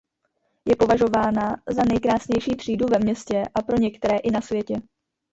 Je považována za nejkrásnější třídu ve městě a pro některé i na světě.